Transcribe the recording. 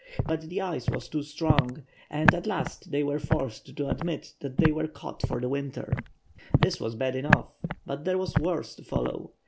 But the ice was too strong, and at last they were forced to admit that they were caught for the winter. This was bad enough, but there was worse to follow.